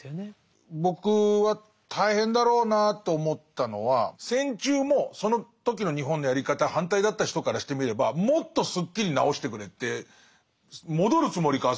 僕は大変だろうなと思ったのは戦中もその時の日本のやり方に反対だった人からしてみればもっとすっきりなおしてくれって戻るつもりか